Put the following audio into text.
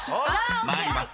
［参ります。